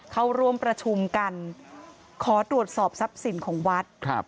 เข้าร่วมประชุมกันขอตรวจสอบทรัพย์สินของวัดครับ